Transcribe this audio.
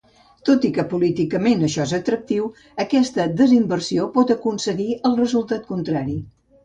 Tot i que políticament això és atractiu, aquesta desinversió pot aconseguir el resultat contrari.